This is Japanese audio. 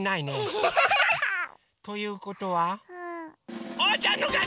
アハハハ！ということはおうちゃんのかち！